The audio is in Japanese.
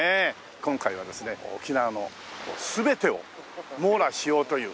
今回はですね沖縄の全てを網羅しようという。